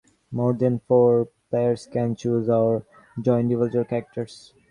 More than four players can choose or draw individual characters.